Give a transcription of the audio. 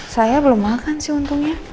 saya belum makan sih untungnya